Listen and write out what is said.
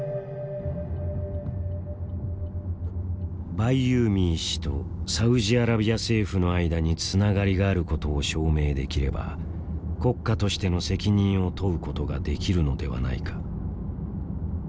バイユーミー氏とサウジアラビア政府の間につながりがあることを証明できれば国家としての責任を問うことができるのではないか。